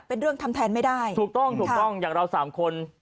เป็นเรื่องทำแทนไม่ได้ถูกต้องถูกต้องอย่างเราสามคน